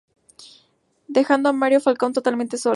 Dejando a Mario Falcone totalmente solo.